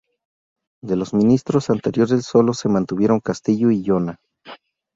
De los ministros anteriores solo se mantuvieron Castillo y Llona.